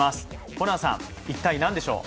ホランさん、一体何でしょう？